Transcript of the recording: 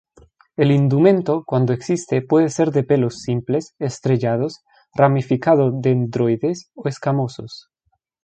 El indumento, cuando existe, puede ser de pelos simples, estrellados, ramificado-dendroides o escamosos.